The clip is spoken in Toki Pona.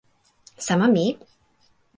sama mi.